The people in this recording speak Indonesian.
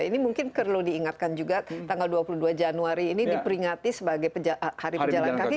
ini mungkin perlu diingatkan juga tanggal dua puluh dua januari ini diperingati sebagai hari berjalan kaki